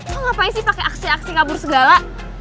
lo ngapain sih pake aksi aksi kabur segala